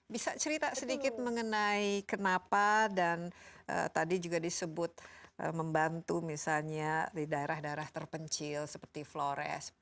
bisa cerita sedikit mengenai kenapa dan tadi juga disebut membantu misalnya di daerah daerah terpencil seperti flores